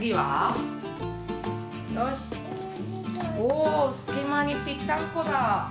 おすきまにぴったんこだ。